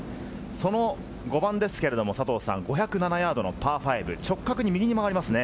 その５番ですけれど、５０７ヤードのパー５、直角に右に曲がりますね。